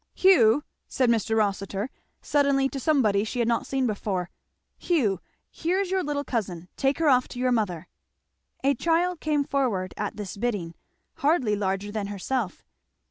"Hugh!" said Mr. Rossitur suddenly to somebody she had not seen before, "Hugh! here is your little cousin. Take her off to your mother." A child came forward at this bidding hardly larger than herself.